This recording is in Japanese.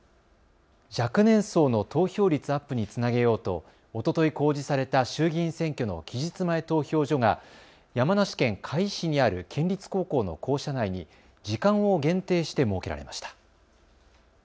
若年層の投票率アップにつなげようとおととい公示された衆議院選挙の期日前投票所が山梨県甲斐市にある県立高校の校舎内に時間を限定して設けられました。